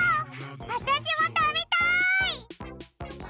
わたしもたべたい！